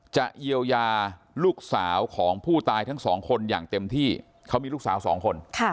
จะเยียวยาลูกสาวของผู้ตายทั้งสองคนอย่างเต็มที่เขามีลูกสาวสองคน